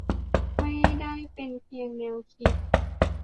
ไม่ได้เป็นเพียงแนวคิด